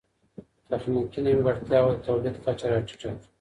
تخنيکي نيمګړتياوو د توليد کچه راټيټه کړه.